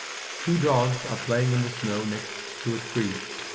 Two dogs are playing in the snow next to a tree.